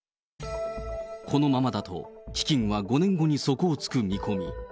このままだと基金は５年後に底をつく見込み。